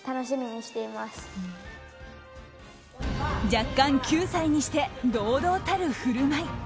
弱冠９歳にして堂々たる振る舞い。